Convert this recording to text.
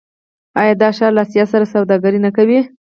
آیا دا ښار له اسیا سره سوداګري نه کوي؟